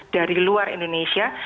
dari luar indonesia